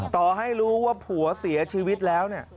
ต่อให้รู้ว่าผัวเสียชีวิตแล้วเนี่ย